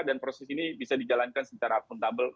dan proses ini bisa dijalankan secara akuntabel